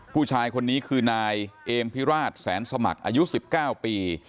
ผู้ชายคนนี้คือนายเอมพิราชแสนสมัครอายุ๑๙ปี